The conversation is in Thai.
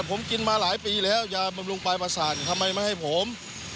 ผมกินมาหลายปีแล้วยาบำรุงปลายประสาททำไมไม่ให้ผม